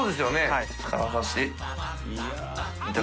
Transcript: はい。